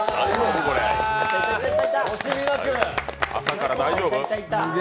朝から大丈夫？